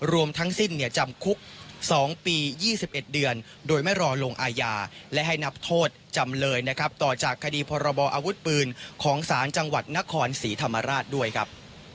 รวมทั้งสิ้นจำคุก๒ปี๒๑เดือนโดยไม่รอลงอาญาและให้นับโทษจำเลยนะครับต่อจากคดีพรบออาวุธปืนของศาลจังหวัดนครศรีธรรมราชด้วยครับ